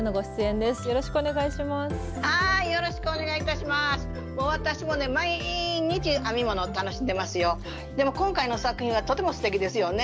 でも今回の作品はとてもすてきですよね。